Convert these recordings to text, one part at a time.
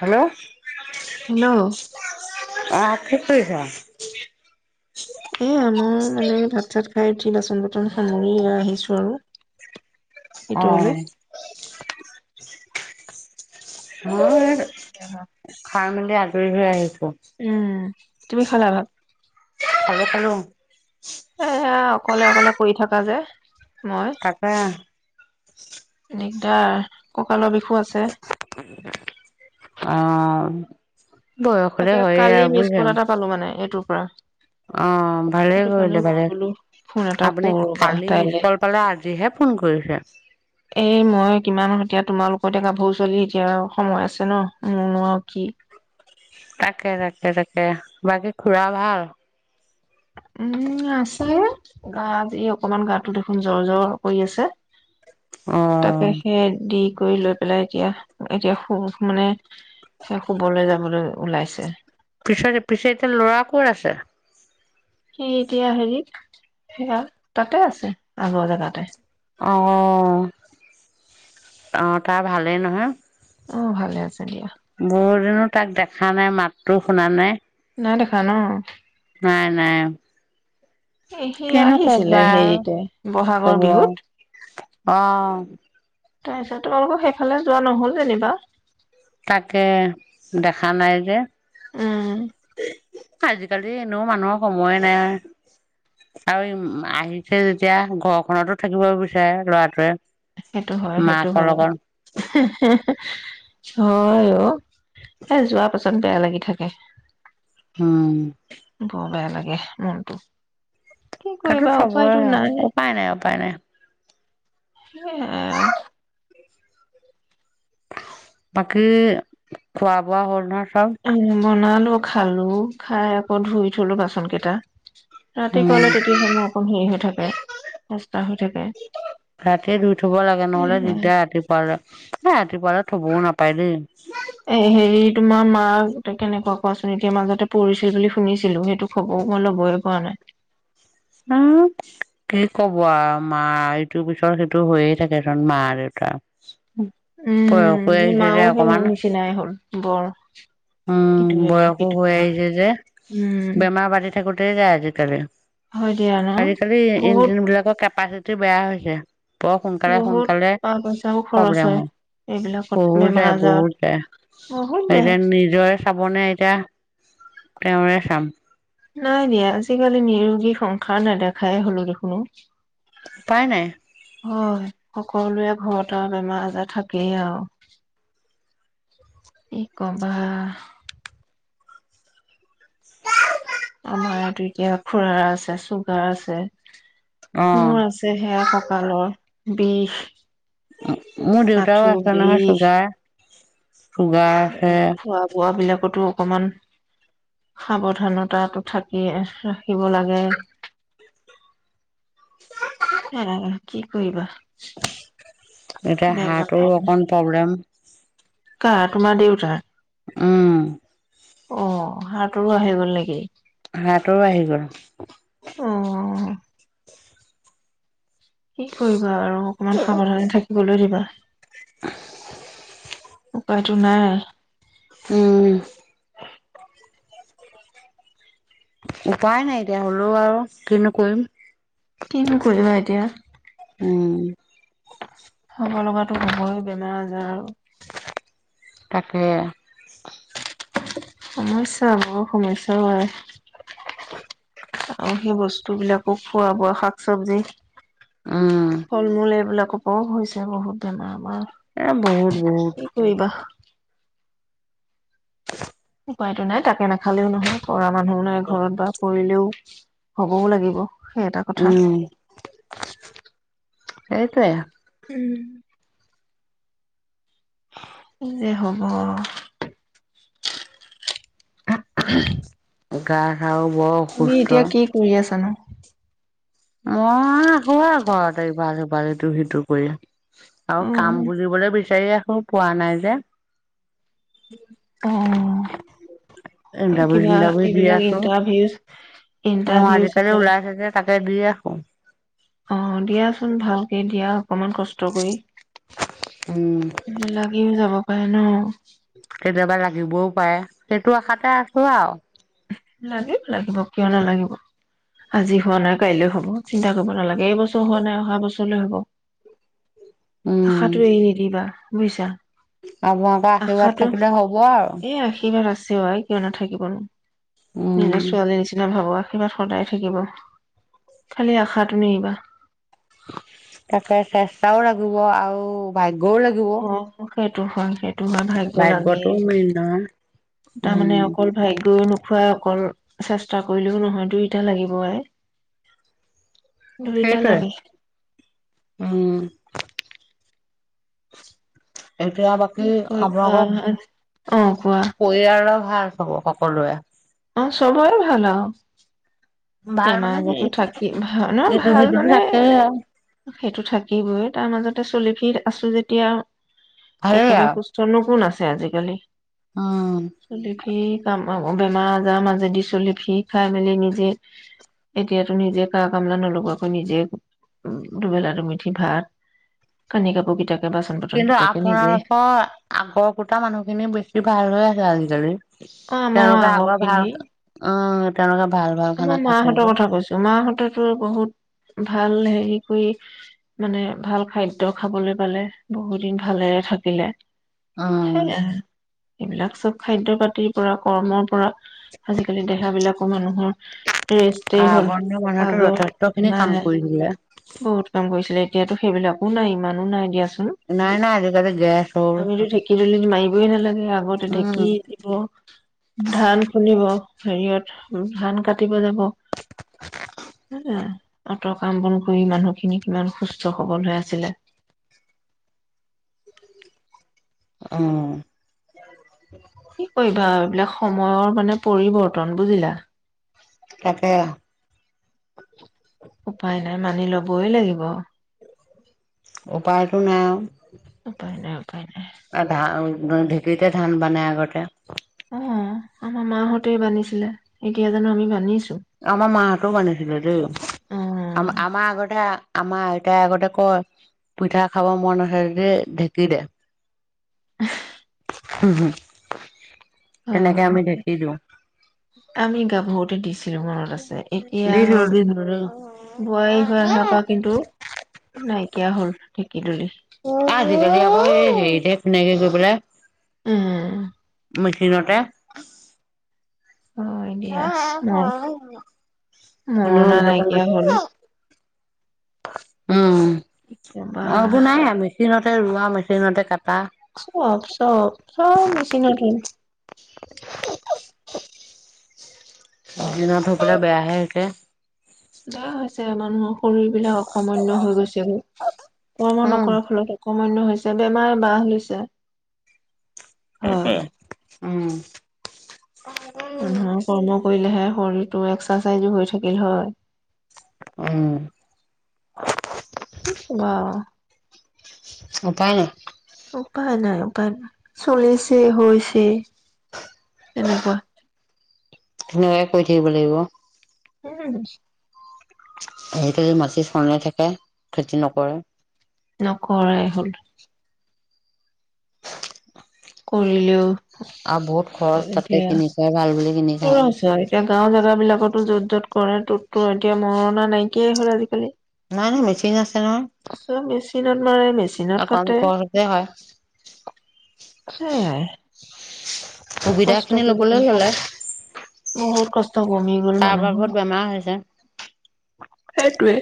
Hello. Hello. অ' কি কৰিছা? এ, মই মানে ভাত চাত খাই উঠি বাচন বৰ্তন সামৰি আহিছোঁ আৰু। অ। ভিতৰলৈ [unintelligible] মৌ সেই খাই মেলি এতিয়া আজৰি হৈ আহিছো উম তুমি খালা ভাত? খালো খালো এয়া অকলে অকলে পৰি থাকা যে মই তাকে [unintelligible] [unintelligible] আছে অহ [inaudible] তাকে কালি মিছকল এটা পালো মানে [unintelligible] পৰা অ ভালেই সেইটো কাৰণে কৰিলে মই ভালে, বোলো ফোন এটা আপুনি কৰো ৰবা কালি তাইলে মিছকল পালে আজিহে ফোন কৰিছে এই মই কিমান এতিয়া তোমালোক এতিয়া গাভৰু ছোৱালী এতিয়া সময় আছে ন, মোৰনো আৰু কি তাকে তাকে তাকে বাকী খুৰা ভাল উম আছে, গাত এই অকমান গাটো দেখোন জ্বৰ জ্বৰ কৰি আছে অ' তাকে সে [unintelligible] কৰি লৈ পেলাই এতিয়া, এতিয়া শু মানে সেই শুবলৈ যাবলৈ ওলাইছে পিছত পিছে এতিয়া ল'ৰা কত আছে সি এতিয়া হেৰিত, সেয়া তাতে আছে আগৰ জেগাতে অহ, অ তাৰ ভালেই নহয় অ ভালে আছে দিয়া বহুত দিন হল তাক দেখা নাই মাতটো শুনা নাই নাই দেখা ন নাই নাই সি কিনো আহিছিলে কবা আৰু হেৰিতে অ বহাগৰ বিহুত তাৰপিছত, তোমালোকৰ সেইফালে যোৱা নহল যেনিবা তাকে, দেখা নাই যে উম আজিকালি এনেও মানুহৰ সময়ে নাই আৰ, আৰু ই আহিছে যেতিয়া ঘৰখনতো থাকিব বিচাৰে লৰাটোৱে সেইটো হয় সেইটো মাকৰ হয় লগত হে হে হয় অ এ যোৱা পছন্দ বেয়া লাগি থাকে উম বৰ বেয়া লাগে মনটো কি কৰিবা [unintelligible] চবৰে উপায়তো হয় নাই উপায় নাই উপায় নাই সেয়াই আৰু বাকী, খোৱা বোৱা হ'ল ন উম', বনালো খালো, খাই আকৌ ধুই থলো বাচন কেইটা [inaudible] ৰাতিপুৱালে তেতিয়াহে মোৰ অকণ হেৰি হৈ থাকে সস্তা হৈ থাকে [unintelligible] নাপাই দেই। এ হেৰি, তোমাৰ মাক কেনেকুৱা কোৱাচোন এতিয়া মাজতে পৰিছিল বুলি শুনিছিলো সেইটো খবৰ মই লবয়ই পৰা নাই। মা কি কব আৰু মা এইটোৰ পিছত সেইটো হৈয়ে থাকে চুন মা দেউতাৰ। উম', সেই মাও সেই মোৰ নিচিনাই হ'ল বৰ [inaudible] উম', ইটো বেমাৰ বয়সো সিটো হৈ বেমাৰ আহিছে যে উম বেমাৰ বাাৰি থাকোতে যায় আজিকালি। হয় দিয়া ন আজিকালি বহুত ইঞ্জিন বিলাকৰ কেপাচিটি [unintelligible] বেয়া হৈছে। বৰ সোনকালে বহুত সোনকালে টকা পইচাও খৰচ প্ৰব্লেম হয় এইবিলাকত বহুত বেমাৰ যায় আজাৰত বহুত বহুত যায় যায় [unintelligible] হবনে এতিয়া তেওঁৰে চাম নাই দিয়া। আজিকালি নিৰোগী সংসাৰ নেদেখাই হলো দেখোনো অ। উপাই নাই। হয়', সকলোৱে ঘৰত আৰু বেমাৰ আজাৰ থাকেই আৰু কি কবা আমাৰ টো এতিয়া খুৰাৰ আছে চুগাৰ আছে। অ মোৰ আছে সেয়া কঁকালৰ। বিষ। মোৰ দেউতাৰো আঁঠুৰ আছে নহয় বিষ। চুগাৰ। চুগাৰ আছে খোৱা বোৱা বিলাকতো অকমান সাৱধানতাটো থাকি ৰাখিব লাগে, কি কৰিবা? এতিয়া বেমাৰ হাৰ্টৰ কাৰণে। অকন প্ৰব্লেম। কাৰ? তোমাৰ দেউতাৰ? ও', অ হাৰ্টৰো আহি গ'ল নেকি? হাৰ্টৰো আহি গ'ল অ' কি কৰি বাৰু অকণমান সাৱধানে থাকিবলৈ দিব। [unintelligible] [inaudible] উপাইটো নাই। উম', উপায় নাই এতিয়া হ'লেও আৰু কিনো কৰিম। কিনো কৰিবা এতিয়া? উম', হব লগাটো হবয়ে বেমাৰ আজাৰ আৰু তাকে। সমস্যা বৰ সমস্যা ও আই, আৰু সেই বস্তুবিলাকো খোৱা বোৱা শাক চবজি উম ফল মূল এইবিলাক [unintelligible] হৈছে বহুত আমাৰ এ বহুত বহুত। কি কৰিবা উপায়টো নাই তাকে নাখালেও নহয় কৰা মানুহ নাই ঘৰত বা কৰিলেও হবও লাগিব। সেই এটা কথা। এইটোৱে। উম। [inaudible] কি যে হব! [unintelligible] তুমি অসুস্থ এতিয়া কি কৰি আছানো? মই আছোঁ ঘৰত এফাল হিফল ইটো সিটো কৰি। আৰু উম কাম বুজিবলৈ বেছি [unintelligible] সমূহ পোৱা নাই যে। অ [unintelligible] ইণ্টাৰভিউ চিন্টাৰভিউ দি এইবিলাক আছো ইণ্টাৰভিউজ অ আজিকালি উলাইছে যে তা [unintelligible] অ', দিয়াচোন ভালকে দিয়া। অকমান কষ্ট কৰি উম লাগিও যাব। [unintelligible] [inaudible] কেতিয়াবা লাগিবও পাৰে সেইটো আশাতে আছো আৰু। লাগিব লাগিব কিয় নালাগিব আজি হোৱা নাই কাইলৈ হ'ব চিন্তা কৰিব নালাগে এই বচ হোৱানাই অহা বছৰলৈ হ'ব। উম আশাটো এৰি নিদিবা। বুজিছা? আপোনালোকৰ আশীৰ্বাদ আশাটো থাকিলে হ'ব আৰু। এই আশীৰ্বাদ আছে আই কিয় নাথাকিবনো! উম নিজৰ ছোৱালীৰ নিচিনা ভাবোআ আশীৰ্বাদ সদায় থাকিব, খালি আশাটো নেৰিবা। তাকে চেষ্টাও লাগিব আৰু ভাগ্যও লাগিব অ', সেইটো হয় - সেইটো হয় ভাগ্য লাগেই, ভাগ্যটো মেইন নহয় উম তাৰমানে অকল ভাগ্য [unintelligible] [unintelligible] অকল চেষ্টা কৰিলেও নহয় দুইটা লাগিব আই। দুইটা সেইটোৱে লাগে উম। এতিয়া কি বাকী কৰিবা আপোনালোকক অ কোৱা পৰিয়ালৰ ভাল? [unintelligible] সকলোৱে। অ চবৰে ভাল আৰু। ভাল মানে কি ন এইটো ভাল সিটোতো মানে থাকে আও। সেইটো থাকিবই তাৰ মাজতে চলি ফি আছো যেতিয়া! ভালেই একেবাৰে সুস্থনো কোন আছে। যে আজিকালি অ। সি কাম [unintelligible] বেমাৰ আজাৰৰ মাজেদি চলি ফি খাই মেলি নিজে এতিয়াতো নিজে কা কামলা নলগোৱাকৈ নিজে উ দুবেলা দুমিঠি ভাত কানি কাপোৰ কিতাপ কিন্তু আপোনালোকৰ আগৰ কুটা মানুহখিনি বেছি ভাল হৈ আছে আজিকালি অ আমাৰ তেওঁলোকে আগৰ ভাল আগৰখিনি, উম, তেওঁলোকে ভাল ভাল খানা আমাৰ খাইছে মাহঁতৰ যে। কথা কৈছো মাহঁতে [unintelligible] বহুত ভাল হেৰি কৰি মানে ভাল খাদ্য খাবলৈ পালে বহুত দিন ভালেৰে থাকিলে। অহ। সেয়াই এইবিলাক চব খাদ্য পাতি পুৰা কৰ্ম পৰা আজিকালি দেহাবিলাক মানুহৰ ৰেষ্টেই হ'ল আগৰ দিনৰ মানুহেতো আগৰ যথেষ্টখিনি নাই কাম নাই কৰিছিলে। বহুত কাম কৰিছিলে এতিয়াতো সেইবিলাকো নাই ইমানো নাই দিয়াচোন নাই নাই আজিকালি গেছ হ'ল আমিতো ঢেঁকী [unintelligible] মাৰিবই নালাগে আগতে উম, ঢেঁকী দিব ধান খুন্দিব হেৰিয়ত ধান কাটিব যাব [unintelligible] অতৰ কাম বন কৰি মানুহখিনি কিমান সুস্থ সবল হৈ আছিলে। অহ। কি কৰিবা আও এইবিলাক সময়ৰ মানে পৰিৱৰ্তন বুজিলা। তাকে। উপায় নাই মানি [unintelligible] উপায়টো নাই আৰু। উপায় নাই উপায় নাই [unintelligible] অ ঢেঁকীতে ধান বানে আগতে। অ আমাৰ মাহঁতে বান্ধিছিলে এইতিয়া জানো আমি বান্ধিছো? আমাৰ মাহঁতেও বানিছিলে দেই অ আ-আমাৰ আগতে আমাৰ আইতাই আগতে কয় পিঠা খাব মন আছে যদি ঢেঁকী দে হম হম। তেনেকে হয় আমি ঢেকি দিওঁ। আমি গাভৰুতে [unintelligible] আছে এতিয়া আৰু দিছিলোঁ দিছিলোঁ দেই বোৱাৰী হৈ অহাৰ পৰা কিন্তু নাই কিয় হল কি আজিকালি আকৌ হেৰিতে ধুনীয়াকে গৈ পেলা উম মেচিনতে অ দিয়া মোৰ কোনো মৰণা নাইকিয়া হ'ল উম বা অ এইবোৰ নাই আৰু মেচিনত ৰোৱা মেচিনতে কাট চব চব চব মেচিনৰ কি [inaudible] দি নাথৰ পৰা বেয়াহে হৈছে বেয়া হৈছে মানুহৰ শৰীৰ বিলাক অকমাণ্য হৈ গৈছে গৈ কৰ্ম উম নকৰা ফলত অকমাণ্য হৈছে বেমাৰে বাহ লৈছে হয় উম মানুহৰ কৰ্ম কৰিলেহে শৰীৰটো এক্সাৰচাইজো হৈ থাকিল হয় উম কি ক বা উপায় নাই উপায় নাই উপায় নাই চলিছে হৈছে তেনেকুৱা ধুনীয়াকে কৰি থাকিব লাগিব উম হুম আজিকালি মাটি চলাই থাকে খেতি নকৰে নকৰাই হ'ল কৰিলো আৰু বহুত খৰচ তাতে কিনিছ ভাল বুলি কিনি খায় কছ এতিয়া গাঁৱত জেগা বিলাকতো য'ত য'ত কৰে ত'তো এতিয়া মৰণা নাইকিয়াই হ'ল আজিকালি নাই মেচিন আছে নহয় মই অকণ খৰতে হয় সেয়াই সুবিধা কষ্ট খিনি কিমান ল'বলৈ কম হ'লে বহুত কষ্ট কমি গ'ল তাৰ মানুহৰ বাবত বেমাৰ হৈছে সেইটোৱে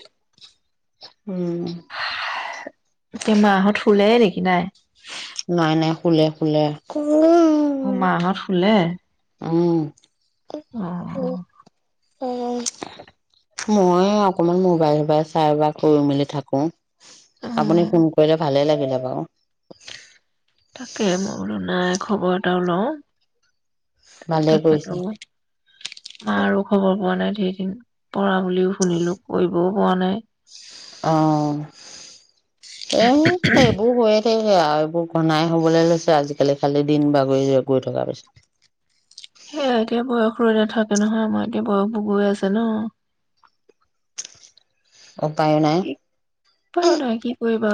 উম। এই মাঁহত শুলে নেকি নাই নাই নাই শুলে শুলে। অ মাঁহত শুলে উম। অ মই অকমান মোবাইল চোবাইল চাই বা কৰি মেলি থাকো। আপুনি অ ফোন কৰিলে ভালে লাগে। কেতিয়াবা আকৌ তাকে মই বোলো নাই খবৰ এটাও লওঁ। ভালে তাকেটো কৰিছে মাৰো খবৰ পোৱা নাই। সেইদিনা পৰা বুলিও শুনিলো কৰিবও পোৱা নাই। অ এ এইবো হয়ে। সেইয়া আৰু এইবোৰ ঘনাই হবলৈ লৈছে আজিকালি খালি দিন বাগৰি গৈ থকাৰ পিছত। সেয়া এতিয়া বয়স ৰৈ নাথাকে নহয় আমাৰ এতিয়া বয়সবোৰ গৈ আছে ন। উপায় ও নাই। কিবা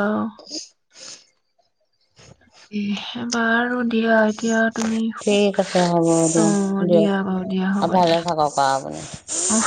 কি বাৰু দিয়া এতিয়া। তুমি ঠিক আছে হ'ব, অ দিয়ক দিয়া বাৰু দিয়া হ'ব ভালে দিয়া থাকক আৰু আপুনি। অ